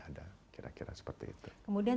ada kira kira seperti itu kemudian